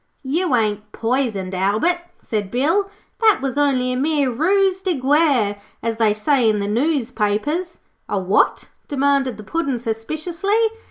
'You ain't poisoned, Albert,' said Bill. 'That was only a mere ruse de guerre, as they say in the noosepapers.' 'A what?' demanded the Puddin', suspiciously.